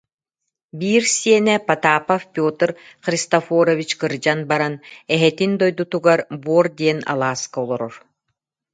Биир сиэнэ, Потапов Петр Христофорович кырдьан баран, эһэтин дойдутугар Буор диэн алааска олорор